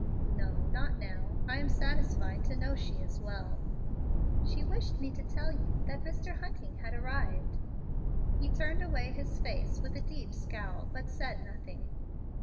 "No, not now; I am satisfied to know she is well." "She wished me to tell you that Mr. Hunting had arrived." He turned away his face with a deep scowl, but said nothing.